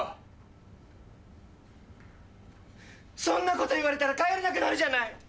そんなこと言われたら帰れなくなるじゃない！